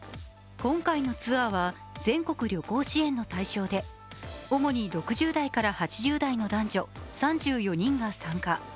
今回のツアーは全国旅行支援の対象で主に６０代から８０代の男女３４人が参加。